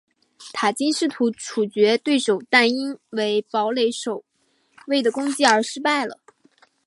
塔金试图处决对手但因为堡垒守卫的攻击而失败了。